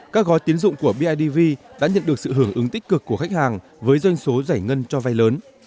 các gói tiến dụng của bidv đã nhận được sự hưởng ứng tích cực của khách hàng với doanh số giải ngân cho vay lớn